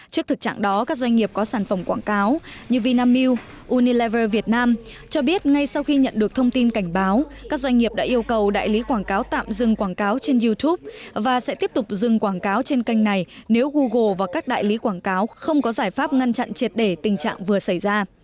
trước thực trạng đó các doanh nghiệp có sản phẩm quảng cáo như vinamilk unilever việt nam cho biết ngay sau khi nhận được thông tin cảnh báo các doanh nghiệp đã yêu cầu đại lý quảng cáo tạm dừng quảng cáo trên youtube và sẽ tiếp tục dừng quảng cáo trên kênh này nếu google và các đại lý quảng cáo không có giải pháp ngăn chặn triệt để tình trạng vừa xảy ra